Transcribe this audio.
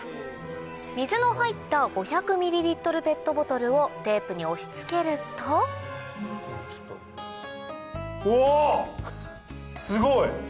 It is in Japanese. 水の入った５００ｍペットボトルをテープに押し付けるとうわ！すごい！